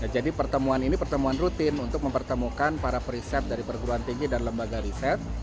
jadi pertemuan ini pertemuan rutin untuk mempertemukan para perisep dari perguruan tinggi dan lembaga riset